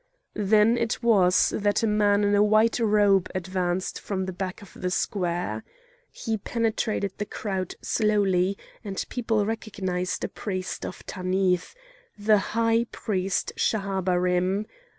Then it was that a man in a white robe advanced from the back of the square. He penetrated the crowd slowly, and people recognised a priest of Tanith—the high priest Schahabarim.